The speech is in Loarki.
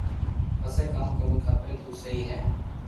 پسي ڪاو ُ ڪروُ کپي تو ايم سھي ھي